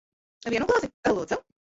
Vienu glāzi. Lūdzu.